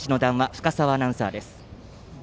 深澤アナウンサーです。